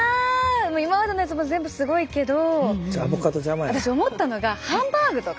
今までのやつも全部すごいけど私思ったのがハンバーグとか。